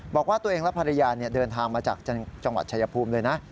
บอกว่าตัวเองและภรรยาเดินทางมาจากจังหวัดชายภูมิเลยนะ